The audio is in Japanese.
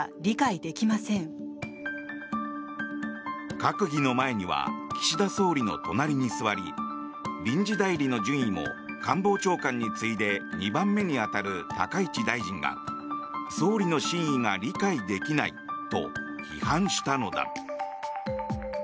閣議の前には岸田総理の隣に座り臨時代理の順位も官房長官に次いで２番目に当たる高市大臣が総理の真意が理解できないと批判したのだ。